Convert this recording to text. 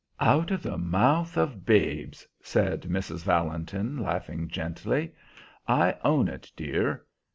"'Out of the mouth of babes,'" said Mrs. Valentin, laughing gently. "I own it, dear.